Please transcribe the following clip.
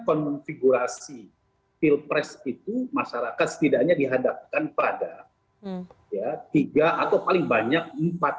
konfigurasi pilpres itu masyarakat setidaknya dihadapkan pada ya tiga atau paling banyak empat